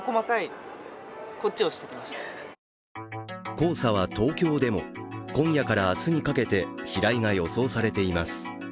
黄砂は東京でも今夜から明日にかけて飛来が予想されています。